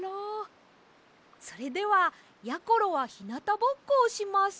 それではやころはひなたぼっこをします。